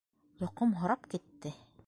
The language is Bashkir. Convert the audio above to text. Йоҡомһорап китте.